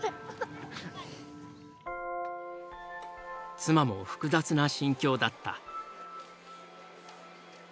妻も複雑な心境だった。